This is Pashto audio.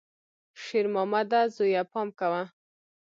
شېرمامده زویه، پام کوه!